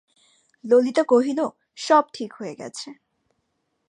ললিতা কহিল, সব ঠিক হয়ে গেছে।